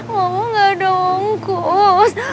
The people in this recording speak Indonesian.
mama gak ada angkut